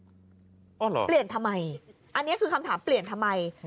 อ๋อเหรอเปลี่ยนทำไมอันนี้คือคำถามเปลี่ยนทำไม